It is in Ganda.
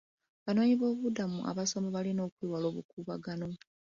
Abanoonyiboobubudamu abasoma balina okwewala obukuubagano.